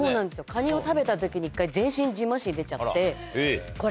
カニを食べた時に一回全身蕁麻疹出ちゃって。